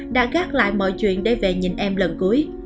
đã gác lại mọi chuyện để về nhìn em lần cuối